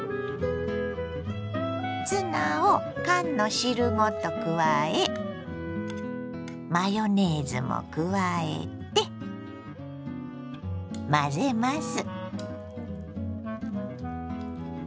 ツナを缶の汁ごと加えマヨネーズも加えて混ぜます。